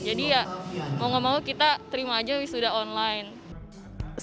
jadi ya mau nggak mau kita terima aja wisuda online